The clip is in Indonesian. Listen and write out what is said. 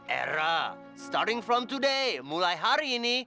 era starting from today mulai hari ini